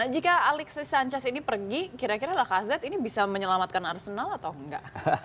jika alexis sanchez ini pergi kira kira lacazette ini bisa menyelamatkan arsenal atau enggak